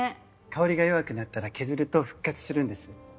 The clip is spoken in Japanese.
香りが弱くなったら削ると復活するんです。